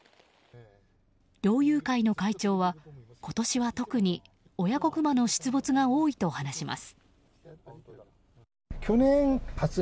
猟友会の会長は、今年は特に親子グマの出没が多いと話します。